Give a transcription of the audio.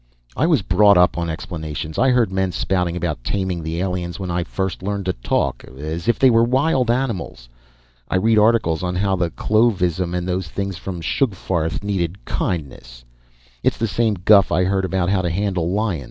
"I was brought up on explanations. I heard men spouting about taming the aliens when I first learned to talk as if they were wild animals. I read articles on how the Clovisem and those things from Sugfarth needed kindness. It's the same guff I heard about how to handle lions.